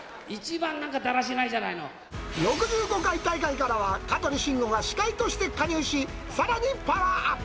一番、６５回大会からは、香取慎吾が司会として加入し、さらにパワーアップ。